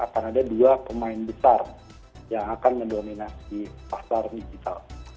akan ada dua pemain besar yang akan mendominasi pasar digital